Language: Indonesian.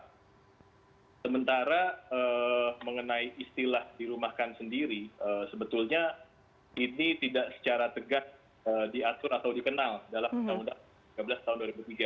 nah sementara mengenai istilah dirumahkan sendiri sebetulnya ini tidak secara tegas diatur atau dikenal dalam undang undang tiga belas tahun dua ribu tiga